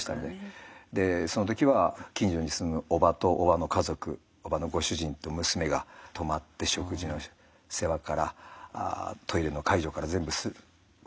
その時は近所に住む叔母と叔母の家族叔母のご主人と娘が泊まって食事の世話からトイレの介助から全部するということで１週間。